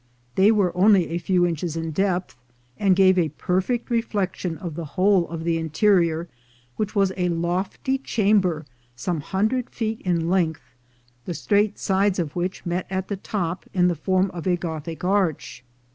They were only a few inches in depth, and gave a perfect reflec tion of the whole of the interior, which was a lofty chamber some hundred feet in length, the straight sides of which met at the top in the form of a Gothic arch.